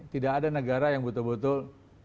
tidak ada negara yang betul betul